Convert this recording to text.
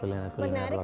bu tadi menarik kata ibu